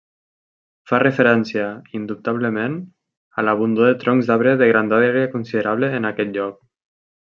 Fa referència, indubtablement, a l'abundor de troncs d'arbre de grandària considerable en aquest lloc.